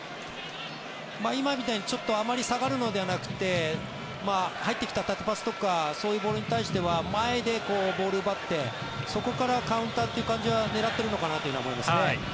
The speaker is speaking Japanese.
今みたいにあまり下がるのではなくて入ってきた縦パスとかそういうボールに対しては前でボールを奪ってそこからカウンターという感じは狙ってるのかなと思います。